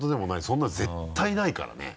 そんなの絶対にないからね。